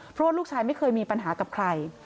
เพราะว่าลูกชายไม่เคยมีปัญหากับใคร